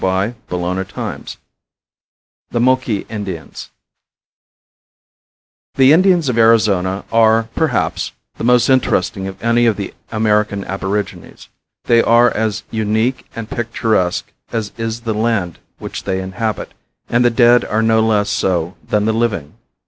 CHAPTER XIII THE MOQUI INDIANS The Indians of Arizona are, perhaps, the most interesting of any of the American aborigines. They are as unique and picturesque as is the land which they inhabit; and the dead are no less so than the living.